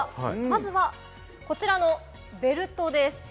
まずはこちらのベルトです。